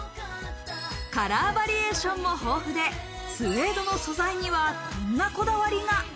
カラーバリエーションも豊富でスエードの素材にはこんなこだわりが。